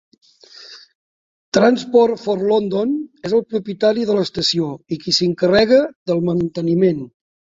Transport for London és el propietari de l'estació i qui s'encarrega del manteniment.